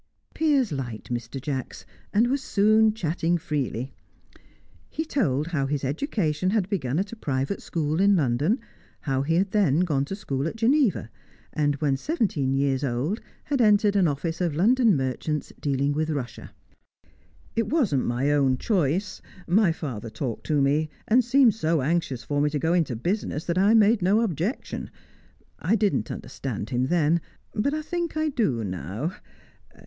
Piers liked Mr. Jacks, and was soon chatting freely. He told how his education had begun at a private school in London, how he had then gone to school at Geneva, and, when seventeen years old, had entered an office of London merchants, dealing with Russia. "It wasn't my own choice. My father talked to me, and seemed so anxious for me to go into business that I made no objection. I didn't understand him then, but I think I do now.